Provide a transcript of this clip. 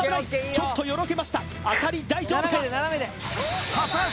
ちょっとよろけました浅利大丈夫か！？